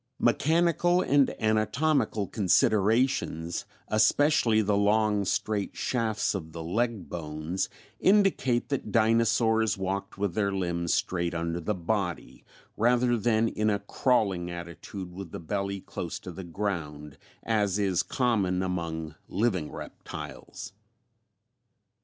Mechanical and anatomical considerations, especially the long straight shafts of the leg bones, indicate that dinosaurs walked with their limbs straight under the body, rather than in a crawling attitude with the belly close to the ground, as is common among living reptiles.